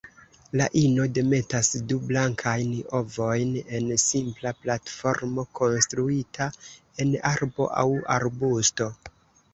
La ino demetas du blankajn ovojn en simpla platformo konstruita en arbo aŭ arbusto.